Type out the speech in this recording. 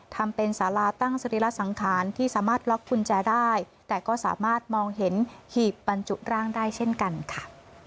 ทำเป็นสาราตั้งสรีระสังขารที่สามารถล็อกกุญแจได้แต่ก็สามารถมองเห็นหีบบรรจุร่างได้เช่นกันค่ะ